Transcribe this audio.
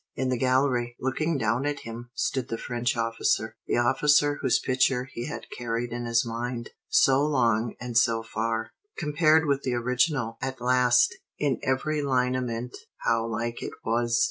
In the gallery, looking down at him, stood the French officer the officer whose picture he had carried in his mind so long and so far. Compared with the original, at last in every lineament how like it was!